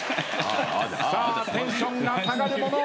さあテンションが下がるもの